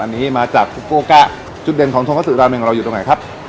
อันนี้มาจากฟุโกกะจุดเด่นของทงกระสือราเมงของเราอยู่ตรงไหนครับ